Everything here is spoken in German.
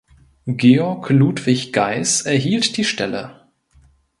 Georg Ludwig Geis erhielt die Stelle.